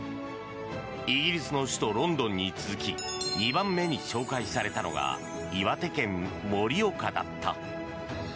イギリスの首都ロンドンに続き２番目に紹介されたのが岩手県の盛岡だった。